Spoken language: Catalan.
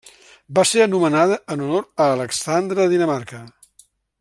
Va ser anomenada en honor a Alexandra de Dinamarca.